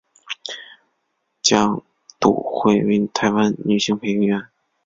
蒋笃慧为台湾女性配音员。